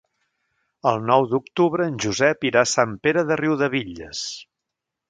El nou d'octubre en Josep irà a Sant Pere de Riudebitlles.